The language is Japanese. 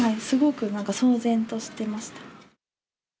すごく騒然としていました。